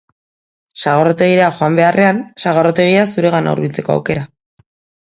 Sagardotegira joan beharrean sagardotegia zuregana hurbiltzeko aukera.